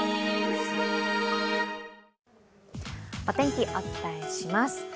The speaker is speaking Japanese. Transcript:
お天気、お伝えします。